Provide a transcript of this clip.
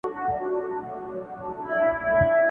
• کيسه د ذهن برخه ګرځي تل..